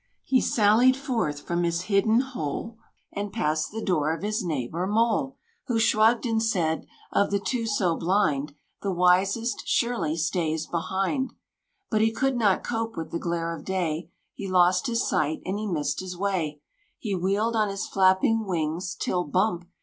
He sallied forth from his hidden hole, And passed the door of his neighbor, Mole, Who shrugged, and said, "Of the two so blind The wisest, surely, stays behind!" But he could not cope with the glare of day: He lost his sight, and he missed his way; He wheeled on his flapping wings, till, "bump!"